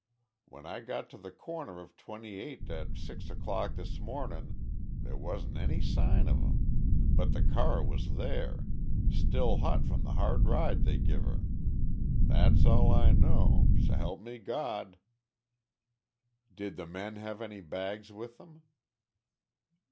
When I got to th' corner of Twenty eig't at six o'clock this mornin', there wasn't any sign of 'em but th' car was there, still hot from the hard ride they give her. That's all I know 'shelp me Gawd!" "Did the men have any bags with them?"